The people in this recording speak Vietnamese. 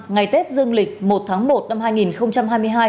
ngày tết dương lịch một tháng một năm hai nghìn hai mươi hai